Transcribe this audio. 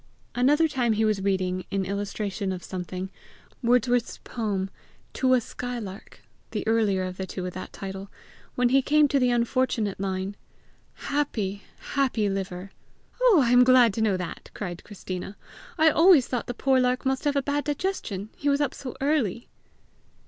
Another time he was reading, in illustration of something, Wordsworth's poem, "To a Skylark," the earlier of the two with that title: when he came to the unfortunate line, "Happy, happy liver!" "Oh, I am glad to know that!" cried Christina. "I always thought the poor lark must have a bad digestion he was up so early!"